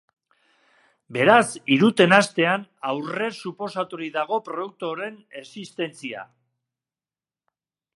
Beraz, iruten hastean aurresuposaturik dago produktu horien existentzia.